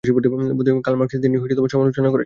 Curl মার্ক্সের তিনি সমালোচনা করেছেন।